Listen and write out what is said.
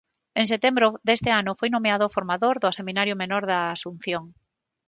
En setembro deste ano foi nomeado formador do seminario menor da Asunción.